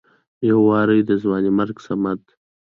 يو وارې د ځوانيمرګ صمد